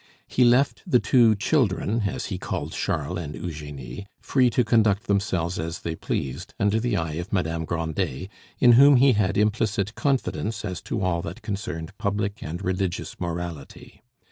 He left the two children, as he called Charles and Eugenie, free to conduct themselves as they pleased, under the eye of Madame Grandet, in whom he had implicit confidence as to all that concerned public and religious morality.